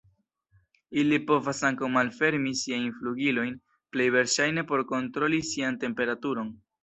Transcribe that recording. Ili povas ankaŭ malfermi siajn flugilojn, plej verŝajne por kontroli sian temperaturon.